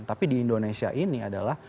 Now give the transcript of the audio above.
tapi di indonesia ini adalah